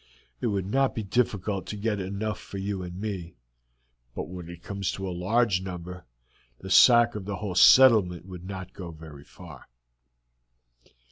It would not be difficult to get enough for you and me, but when it comes to a large number the sack of the whole settlement would not go very far.